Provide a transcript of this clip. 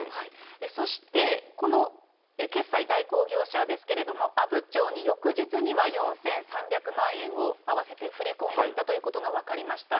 そして、この決済代行業者ですけれども、阿武町に翌日には４３００万円を合わせて振り込んでいたということが分かりました。